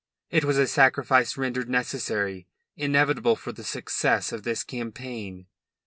It was a sacrifice rendered necessary, inevitable for the success of this campaign."